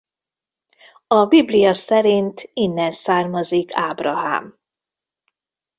A Biblia szerint innen származik Ábrahám.